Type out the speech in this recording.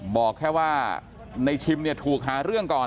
บอกแค่ว่าในชิมเนี่ยถูกหาเรื่องก่อน